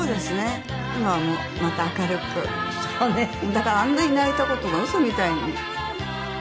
だからあんなに泣いた事が嘘みたいに。